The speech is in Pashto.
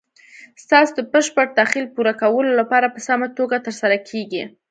ستاسو د بشپړ تخیل پوره کولو لپاره په سمه توګه تر سره کیږي.